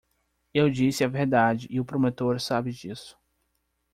Eu disse a verdade e o promotor sabe disso.